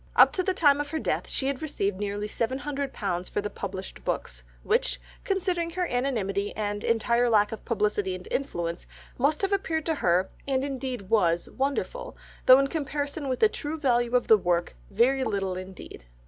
Up to the time of her death she had received nearly seven hundred pounds for the published books, which, considering her anonymity, and entire lack of publicity and influence, must have appeared to her, and indeed was, wonderful, though in comparison with the true value of the work very little indeed.